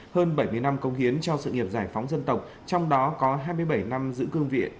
hơn bảy mươi năm công hiến cho sự nghiệp giải phóng dân tộc trong đó có hai mươi bảy năm giữ cương vị